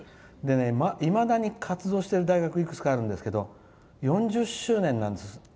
いまだに活動してる大学いくつかあるんですけど４０周年なんです。